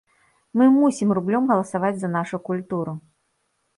Мы мусім рублём галасаваць за нашу культуру.